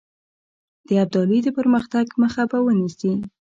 د ابدالي د پرمختګ مخه به ونیسي.